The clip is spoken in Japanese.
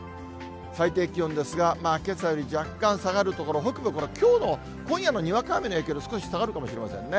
最低気温ですが、けさより若干下がる所、北部、これ、きょうの、今夜のにわか雨の影響で少し下がるかもしれませんね。